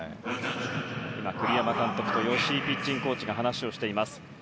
栗山監督と吉井ピッチングコーチが話をしていました。